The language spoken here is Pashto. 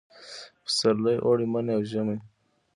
پسرلي، اوړي، مني او ژمي